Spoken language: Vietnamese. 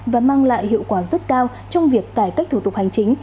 và mang lại hiệu quả rất cao trong việc cải cách thủ tục hành chính